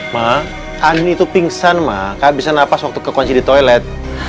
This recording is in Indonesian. ma andy itu pingsan ma gak bisa nafas waktu kekunci di toilet